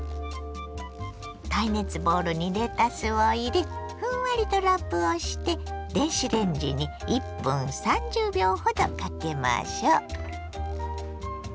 耐熱ボウルにレタスを入れふんわりとラップをして電子レンジに１分３０秒ほどかけましょ。